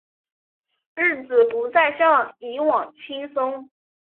日子不再像以往轻松